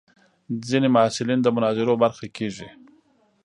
ځینې محصلین د مناظرو برخه کېږي.